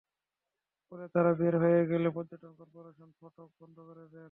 পরে তাঁরা বের হয়ে গেলে পর্যটন করপোরেশন ফটক বন্ধ করে দেন।